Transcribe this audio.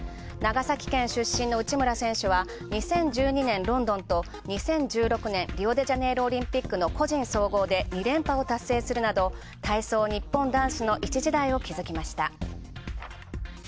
長崎県出身の内村選手は、２０１２年ロンドンと２０１６年リオデジャネイロオリンピックの総合で２連覇を達成するなど、体操ニッポン男子の一時代を築きました。